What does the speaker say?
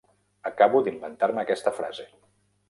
Acabo d'inventar-me aquesta frase.